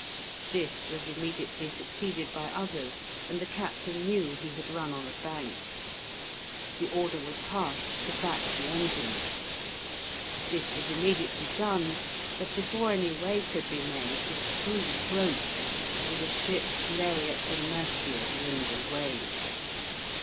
This was immediately succeeded by others, and the captain knew he had run on a bank. The order was passed to back the engines. This was immediately done, but before any way could be made the screw broke and the ship lay at the mercy of wind and waves.